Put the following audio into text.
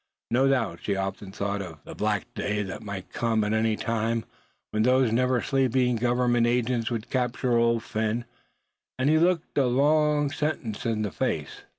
No doubt she often thought of the black day that might come at any time, when those never sleeping Government agents would capture Old Phin, and he look a long sentence in the face.